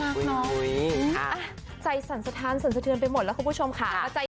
ใจสั่นสะทานสั่นสะเทือนไปหมดแล้วคุณผู้ชมค่ะ